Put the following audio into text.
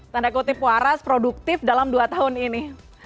tanda kutip waras produktif dalam dua tahun ini